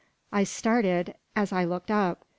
I started, as I looked up.